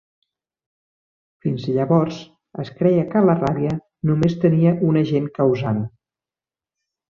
Fins llavors, es creia que la ràbia només tenia un agent causant.